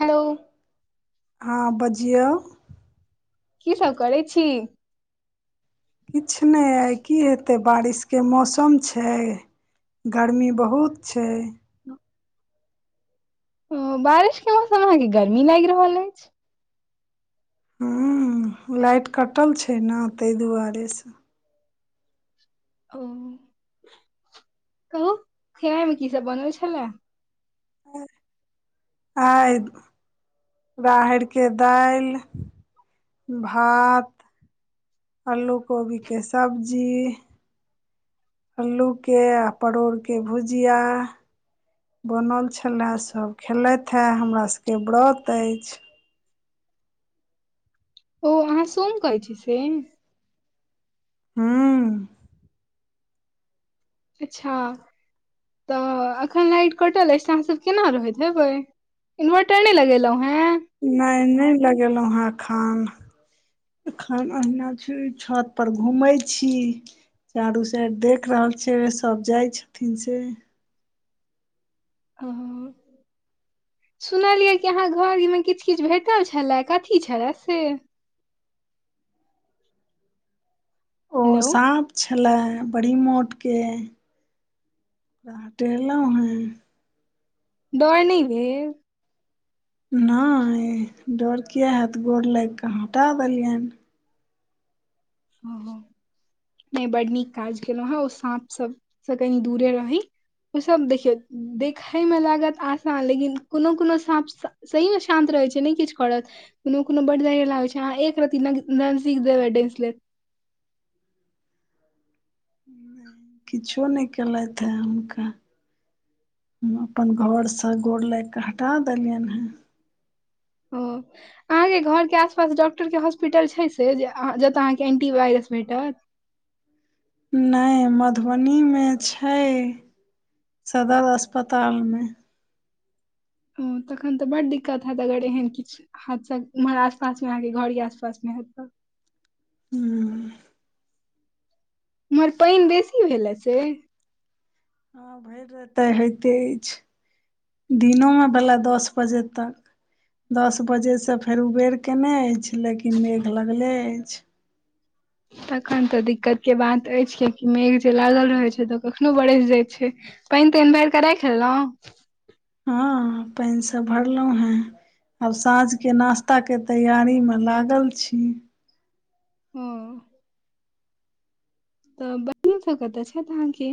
हेलौऽ ह बजियौ की सब करैय छी किछ नै आइ की हेतै एतेय बारिसके मौसम छैय गर्मी बहुत छैय ओऽ बारिस के मौसम अहाके गर्मी लाएगी रहल अछि। हू लाइट कटल छैय न तैय दुआरे स ओ कहु खेनैय मे की सब बनल छएला। उह आगि [unintelligible] राहैरके दालि भात अलू कोबी के सब्जी अल्लू के आ परोर के भुजिया बनल छलाय सब खेलथि ह हमरा सबके व्रत अछि। ओ अहा सोम करै छी से ह अच्छा त एखन लाइट कटल अछि त अहा सब केना रहैत हेबै इन्वटर नै लगेलहु हँ नै नै लगेलहु ह अखन एखन अहिना छी छत पर घुमेैय छी। चारू साइड देख रहल छियैय सब जाय छथिन से हु हुहु सुनलियै कि अहा घरमे किछु किछु भेटल छलै कथी छलै से ओऽऽ हेलो साॅप छलैह बड़ी मोट के ओकरा हटेलहु ह डर नै भेल नै डर किया हैत गोर लागि कऽ हटा देलियैनि ह नै बड नीक काज केलहु आहा ओ साँप सब स कनी दूरे रही। ओ सब देखियो देखैयमे लागत आसान लेकिन कोनो कोनो साफ त सहीमे शांत रहैय छै नै किछ करत कुनो कुनो बड्ड जहरीला होई छै अहाँ एक रति नजदीक जेबै डेंइस लेत। किछो नै केलथि ह हुनका हम अपन घरस गोर लागि कऽ हटा देलियनि ह ओऽ अहाके घरके आसपास डॉक्टरके हाॅस्पिटल छै से जतय अहाके ऐँटीवायरस भेटत नै मधुबनीमे छैय सदर अस्पतालमे ओ तखन तऽ बड़ दिक्कत हैत अगर एहन किछ हादसा उम्हर आसपास मे अहाके घर ही आसपास मे हेतय ह उम्हर पाइन बेसी भेल ह से हँ भरि राइत होइते अछि दिनोमे भेल दस बजे तक दस बजे स फेर उबेर केने अछि लेकिन मेघ लगले अछि तखन तऽ दिक्कत के बात अछि कियाकि मेघ जे लागल रहै छै तऽ कखनो बरैस जाइत छै पइन ताइन भरिक राखि लेलहु हँ पाइन सब भरलहुं हें। आब साँझ के नाश्ता के तैयारी में लागल छी। हँ तऽ बहीन सब कतऽ छैय अहाँके।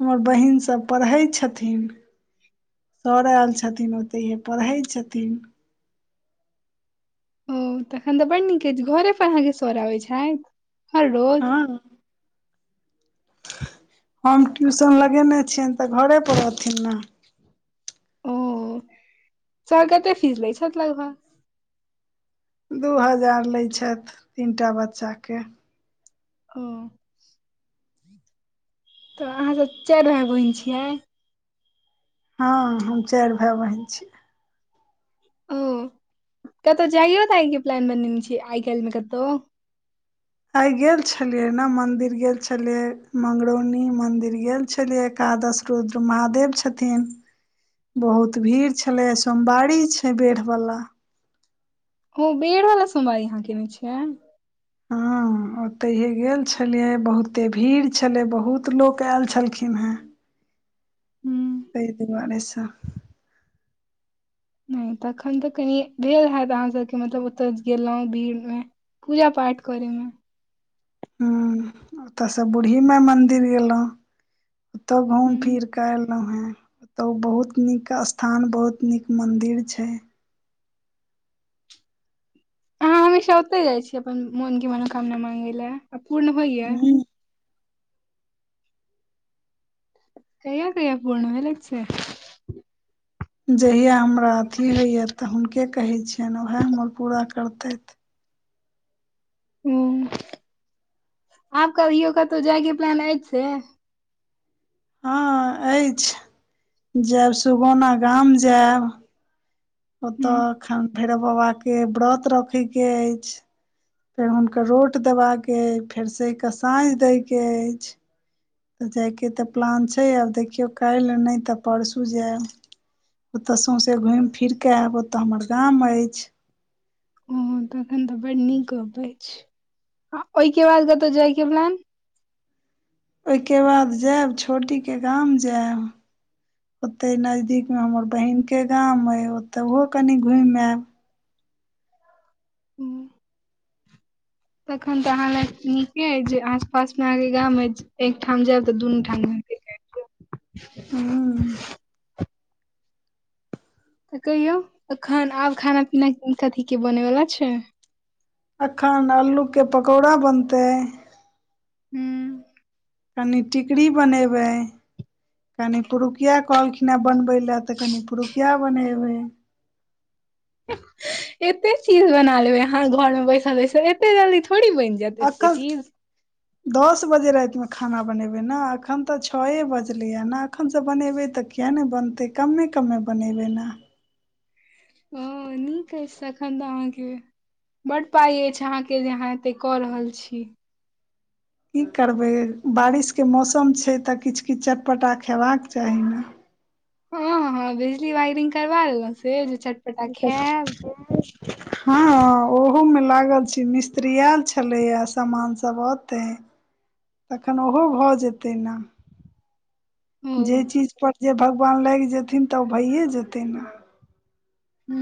हमर बहिनसभ पढ़ै छथिन। सर आयल छथिन ओतहिए पढ़ै छथिन। ओ तखन तऽ बड नीक अछि घरे पर अहाँके सर आबैत छथि हर रोज। हँ हम ट्यूशन लगेने छियनि तऽ घरे परर रहथिन ने। ओ सर केते फीस लै छत लागभग। दू हजार लैत छथि तीनटा बच्चाके। ओ तऽ अहाँसभ चारि भााय बहिन छियै। हँ हम चारि भाइ बहिन छी। ओ कतहु जाइयो तऽ आइ के प्लान बनेने छी आइ काल्हि मे कतहु। आइ गेल छलियै ने मन्दिर गेल छलियै मंगरौनी मन्दिर गेल छलियै एकादश। रुद्र महादेव छथिन। बहुत भीड़ छले सोमवारी छैय बेढ़ बाला। ओ बेड़ वाला सोमवारी यहाँ केने छियै। [inaudible] ओतहिए गेल छलियै बहुते भीड़ छलै बहुत लोक आयल छलखिन हें। हूँ तै दुआरे स नहि तखन तऽ कनि भेल हेत अहाँ सबके मतलब ओतऽ गेलौं भीड़ मे। पूजा पाठ करैमे। हूं ओतऽस बूड़ही माइ मन्दिर गेलहुँ ओतहु घुमि ह फिरकेऽ एलौं हं ओतो बहुत नीक स्थान बहुत नीक मंदिर छै। आहाँ हमेशा ओतय जाइ छीयै अपन मोनके मनोकामना माँगय लए आ पूर्ण होइया। हूँ कहिया कहिया पूर्ण भेलैग से। जहिया हमरा अथी होइया तऽ हुनके कहै छियनि उएह हमर पूरा करतथि। हूं आब कभियो कतौ जायके प्लान अछि से। हँ अछि जेऽब सुगौना गाम जेऽब। भैरव बाबाक के व्रत रखै के अछि। फेर हुनकर रोट देबाके अइ फेर सहिकेऽ साँझ दैके अछि। तऽ जायके तऽ प्लान छैय आब देखियौ काल्हि नहि तऽ परसू जेऽब। ओतऽ सौंसे घुमि फिर के एब ओतऽ हमर गाम अछि। ओहो तखन तऽ बड नीक गप अछि आ ओइके बाद कतौ जायके मन ओइके बाद जेऽब छोटीके गाम जेऽब। ओतै नजदीक में हमर बहिन के गाम अय ओतोहो कनि घुमि एऽब। हू तखन तऽ अहाँला नीके ऐ जे आस पास में अहाँ के गाम अछि। एकठाम जायब तऽ दुनू ठाम घुमि फिरि के आइब जेऽब। हू तऽ कहियो अखन आब खाना पीना कथी के बनेलऽ छै अखन आलू के पकौड़ा बनतै। हूँ कनि टिकरी बनेबै कनि पुरुकिया कहलखिन ह बनबै ले ले तऽ कनि पुरुकिया बनेबै। एते चीज बना लेबै अहाँ घर में बैसल बैसल एते जल्दी थोड़ी बनि जायत एते अकल [inaudible] दस बजे रातिमे खाना बनेबै ने अखन तऽ छए बजलै ह ने एखनसँ बनेबै तऽ। किया नै बनतै कम्मे कम्मे बनेबै नऽ हं नीक अइछ तखन त अहाँके बड पाइ अछि अहाँके जे अहाँ एते कऽ रहल छी की करबै बारिशके मौसम छै तऽ किछ किछ चटपटा खेबाक चाही नऽ हँ हँ बिजली वाइरिंग करबा लेलौं से जे चट [unintelligible] हँ ओहोमे लागल छी मिस्त्री एल छलैए सामान सभ अऽतै तखन ओहो भऽ जेतै नऽ ओ जे चीजपर जे भगवान लाइग जेथिन त भइए जेतै नऽ हू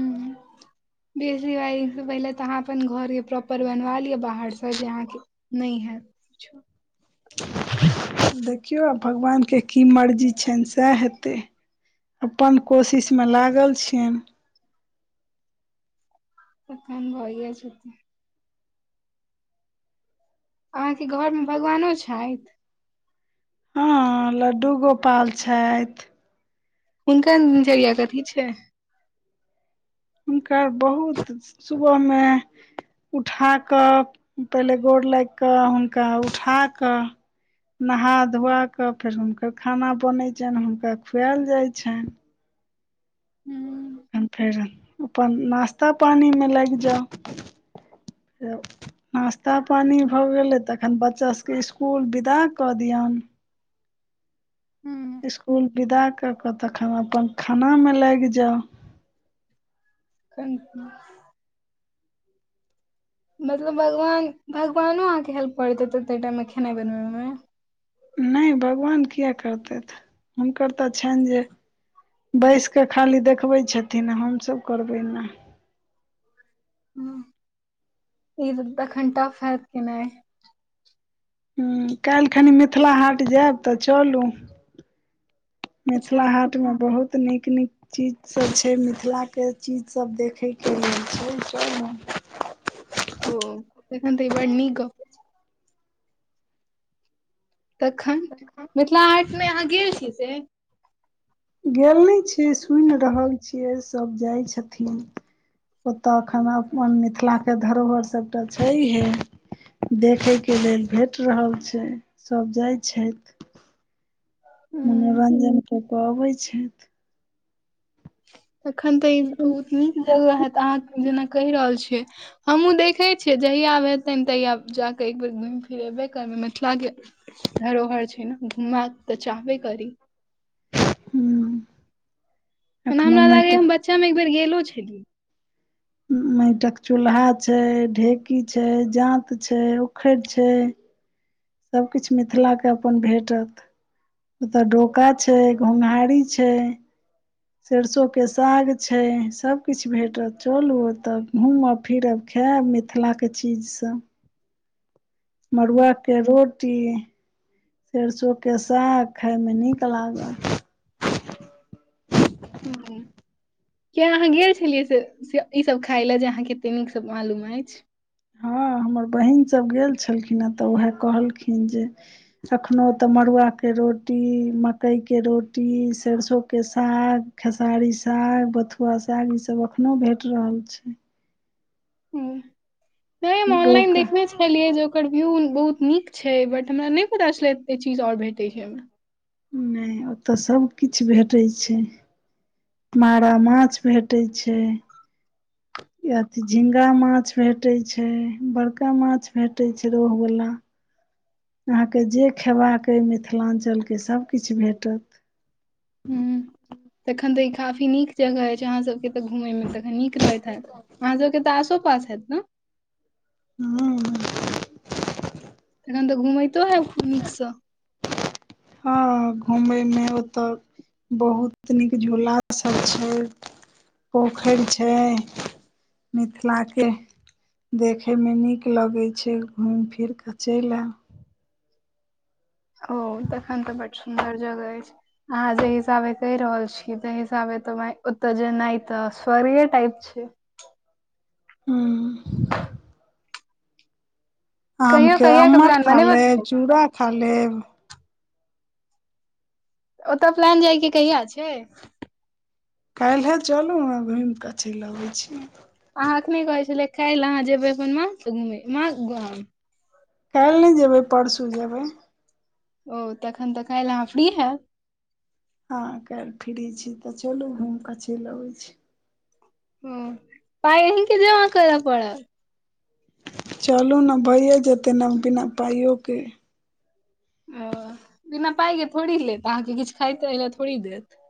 बेस [unintelligible] रीवायसँ पहिले तऽ अहाँ अपन घरके प्रॉपर बनवा लिअ बाहरसँ जे अहाँके नैय हैत किछो देखियौ आब भगवानके की मर्जी छैन सेह हेतै अप्पन कोशिशमे लागल छियनि त कान भऽ गेल छै त [unintelligible] अहाँके घरमे भगवानो छैथ हँ लड्डू गोपाल छैथ हुनक [unintelligible] कथी छै हुनकर बहुत सुबहमे उठा कऽ पहिले गोर लैग कऽ हुनका उठा कऽ नहा धुआ कऽ फेर हुनकर खाना बनै छैन हुनका खुआएल जाइ छैन हूं तहन फेर अपन नश्ता पानिमे लागि जाउ नाश्ता पानि भऽ गेलै तखन बच्चासभके इसकुल विदा कऽ दियौन हँ इसकुल विदा कऽ कऽ तखन अपन खानामे लैग जाउ कन [unintelligible] मतलब भगवान भगवानो अहाँके हेल्प करैत हेतैथ ताहि टाइम मे खेनाइ बनबइ मे नहि भगवान किए करतैथ हुनकर तऽ छैन जे बैस कऽ खाली देखबै छथिन हमसभ करबै नऽ ह ई तखन टफ [unintelligible] हैत केनाइ ह काल्हि खनि मिथिला हाट जैब तऽ चलू अच्छा मिथिला हाट मे बहुत नीक नीक चीजसभ छै मिथिलाके चीजसभ देखयके लेल छै सभ ने ओ तखन तऽ ई बर निक गप तखन मिथिला हाट मे अहाँ गेल छी से गेल नै छी सुनि रहल छियै सभ जाइ छथिन ओत एखन अपन मिथिलाके धरोहर सभटा छैहे देखय के लेल भेट रहल छै सब जाइ छैथ मनोरंजन कऽ कऽ अबै छैथ तखन तऽ ई बहुत निक त अहाँ जेना कहि रहल छियै हमूँ देखै छियै जहिया आब हत तहिया जाकऽ एकबेर घुइम फि फिर लेबे करबय मिथिला के धरोहर छै न घूमबाक तऽ चाहबे करी हूँ एना हमरा लागैया हम बच्चा मे एक बेर गेलो छलियै मइटक चूल्हा छै ढेकी छै जांत छै उखैड़ छै सबकिछ मिथिलाके अपन भेटत ओतऽ डोका छै घुँघहारी छै सरसों के साग छै सभ किछ भेटत चलू ओतऽ घूमब फिरब खैब मिथिलाके चीज सब मड़ुआ के रोड कट्टी सरसों के साग खााय मे नीक लागल हू ह किया अहाँ गेल छलियै से ई सब खााय ले जे अहाँके कते नीक से मालूम अछि हँ हमर बहिन सब गेल छलखिने तऽ उएह कहलखिन जे एखनोहु तऽ मड़ुआके रोड रोटी मकइके रोटी सरसों साग खेसारी साग बथु सुहस सागई सब एखनोहु भेट रहल छै ह नहि ओनलाइन डोका देखने छी देखेलिए जे ओकर व्यू बहुत नीक छै बट हमरा नहि पता छले चीज और भेटे छै ओ मे नहि ओतऽ सब किछ भेटे छै मारा माछ भेटै छै याह अथी झिंगा माछ भेटे छै बड़का माछ भेटे छै रहो वला [inaudible] अहाँकेँ जे खयबाक अइ मिथिलांचल सभ किछ भेटत हूँ तखन तऽ ई काफी नीक जगह अछि अहाँ सबके तऽ घूमय मे तखन नीक रहैत हैत अहाँसभ तऽ आसो पास हैत न [unintelligible] तखन तऽ घुमैतो है खूब नीकसँ ह घूमे में ओत बहुत नीक झूला सब छै पोखैर छै मिथिला केँ देखैमे नीक लगैत छै घुमि फिर कऽ चल ऐब् ओ तखन तऽ बड सुन्दर जगह ऐछ अहाँ जे हिसाबे कहि रहल छी ते हिसाबे तऽ ओते जेनाइ तऽ स्वर्ग टाइप छै [unintelligible] आम कहियो केँ कहिया के अम्मट प्लान खा बनेबै लेब चूड़ा खा लेब ओतय प्लन जाय केँ कहिया छै काइले चलू न घूम कऽ चल अबै छी अहाँ एखने कहै छलै काइल अहाँ जेबै अपन माँ कऽ घूम माँ कऽ घूमऊ काइल नै जेबै परसू जेबै ओ तखन तऽ काइल अहाँ फ्री हैव हँ काइल फ्री छी तऽ चलू घूम के चल अबै छी हू [inaudible] पाइ अहिकेँ जमा कर परत चलू ने भइए जेतै न बिना पाइय ओ केँ ओ बिना पाइ के थोड़ी लेत अहाँ केँ किछ खाइ ताइ लऽ थोड़ी देत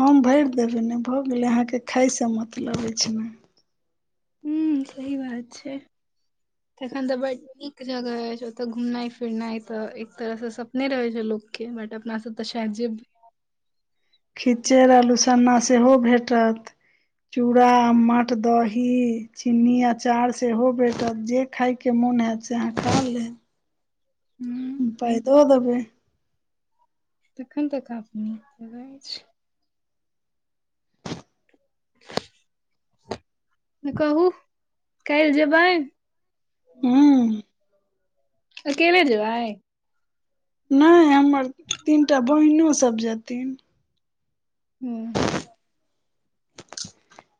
हम भैर देबै नै भऽ गेलै अहाँ केँ खाइसँ मतलब ऐछ नऽ हू सही बात छै [inaudible] तखन तऽ बढ़ नीक जगह ऐछ ओतऽ घूमनाइ फिरनाइ तऽ एक तरह से सपने रहे छै लोक केँ बट अपना तऽ सैयद जैबै खिचड़ आलूसन्ना सेहो भेटत चूड़ा आम्मट दही चिन्नी अचार सेहो भेटत जे खाय केँ मोन होैत से अहाँ खा लेब हूँ हम पाइ दऽ देबै तखन तक काफी नीक जगह ऐछै [inaudible] तऽ कहू काइल जेबाय हूँ अकेले जबाय नै हमर तीनटा बहिनोसभ जेथिन हू [unintelligible]